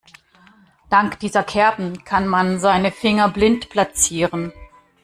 Dank dieser Kerben kann man seine Finger blind platzieren.